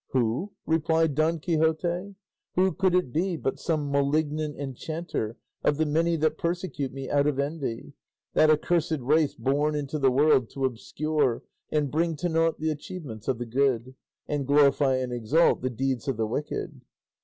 "Who?" replied Don Quixote; "who could it be but some malignant enchanter of the many that persecute me out of envy that accursed race born into the world to obscure and bring to naught the achievements of the good, and glorify and exalt the deeds of the wicked?